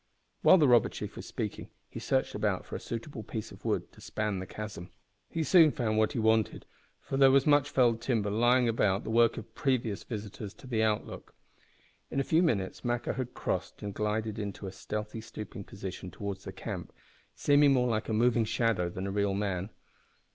While the robber chief was speaking he searched about for a suitable piece of wood to span the chasm. He soon found what he wanted, for there was much felled timber lying about the work of previous visitors to the Outlook. In a few minutes Maqua had crossed, and glided in a stealthy, stooping position towards the camp, seeming more like a moving shadow than a real man.